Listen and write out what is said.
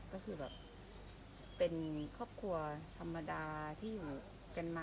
ก็คือแบบเป็นครอบครัวธรรมดาที่อยู่กันมา